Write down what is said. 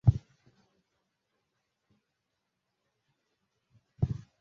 Abantu batanu bahagaze hamwe nimbwa eshatu mumurima wicyatsi iruhande rwumuhanda